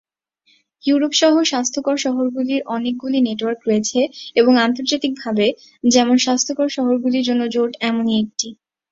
Europe সহ স্বাস্থ্যকর শহরগুলির অনেকগুলি নেটওয়ার্ক রয়েছে এবং আন্তর্জাতিকভাবে, যেমন স্বাস্থ্যকর শহরগুলির জন্য জোট এমনই একটি।